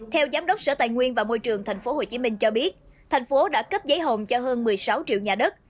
theo giám đốc sở tài nguyên và môi trường tp hcm cho biết thành phố đã cấp giấy hồn cho hơn một mươi sáu triệu nhà đất